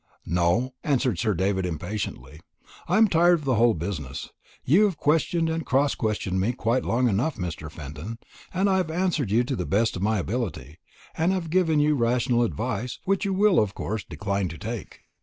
"No," answered Sir David impatiently; "I am tired of the whole business. You have questioned and cross questioned me quite long enough, Mr. Fenton, and I have answered you to the best of my ability, and have given you rational advice, which you will of course decline to take.